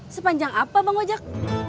sepanjang apa bang ojak